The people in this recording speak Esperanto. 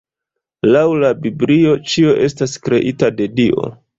Laŭ la Biblio ĉio estas kreita de Dio.